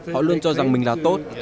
họ luôn cho rằng mình là tốt